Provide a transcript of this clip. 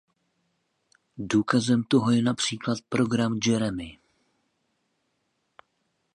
Důkazem toho je například program Jeremy.